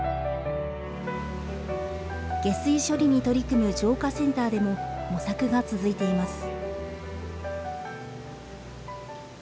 下水処理に取り組む浄化センターでも模索が続いています。